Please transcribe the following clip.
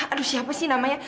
aduh siapa sih namanya